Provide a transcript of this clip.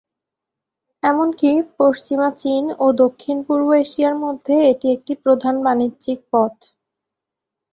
এমনকি, পশ্চিমা চীন ও দক্ষিণ-পূর্ব এশিয়ার মধ্যে এটি একটি প্রধান বাণিজ্যিক পথ।